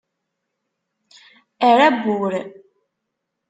Err abbur!